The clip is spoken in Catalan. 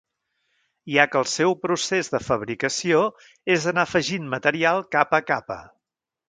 Ja que el seu procés de fabricació és anar afegint material capa a capa.